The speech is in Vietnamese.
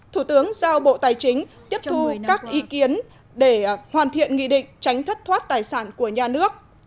thủ tướng giao bộ tài chính tiếp thu các ý kiến để hoàn thiện nghị định tránh thất thoát tài sản của nhà nước